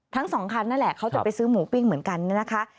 ทั้งสองคันนั่นแหละเขาจะไปซื้อหมูปิ้งเหมือนกันนะคะ